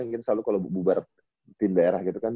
mungkin selalu kalau bubar tim daerah gitu kan